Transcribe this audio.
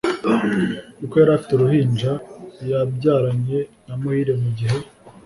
Kuko yarafite uruhinja ya byaranye na Muhire mugihe